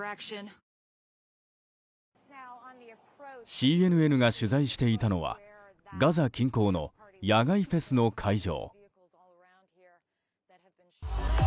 ＣＮＮが取材していたのはガザ近郊の野外フェスの会場。